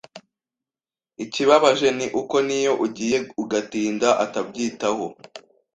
Ikibabaje ni uko niyo ugiye ugatinda atabyitaho